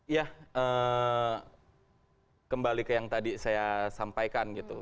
ya kembali ke yang tadi saya sampaikan gitu